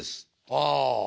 ああ。